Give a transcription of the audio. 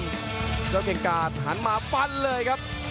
เจ้าเก่งกาดหันมาฟันเลยครับ